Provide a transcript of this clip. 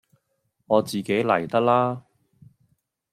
我自己嚟得喇